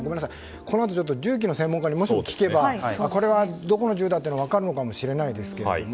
このあと銃器の専門家に聞けばこれはどこの銃だって分かるのかもしれないですけど。